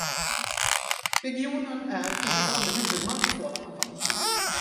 Regionen är fortfarande huvudman i sådana fall.